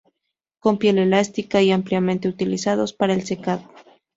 Con piel elástica y ampliamente utilizados para el secado.